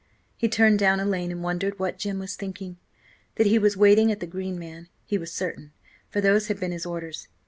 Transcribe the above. He turned down a lane and wondered what Jim was thinking. That he was waiting at the Green Man, he was certain, for those had been his orders.